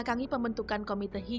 nu menerima keuntungan di indonesia